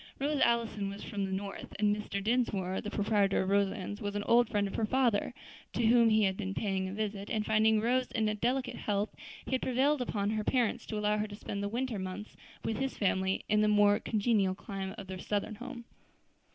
Rose Allison was from the North, and Mr. Dinsmore, the proprietor of Roselands, was an old friend of her father, to whom he had been paying a visit, and finding Rose in delicate health, he had prevailed upon her parents to allow her to spend the winter months with his family in the more congenial clime of their Southern home.